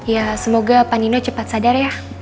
ya semoga pak nino cepat sadar ya